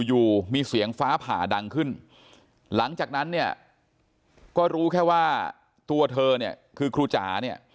อยู่มีเสียงฟ้าผ่าดังขึ้นหลังจากนั้นเนี่ยก็รู้แค่ว่าตัวเธอเนี่ยคือครูจ๋าเนี่ย